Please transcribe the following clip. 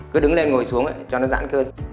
cứ đứng lên ngồi xuống cho nó giãn cơn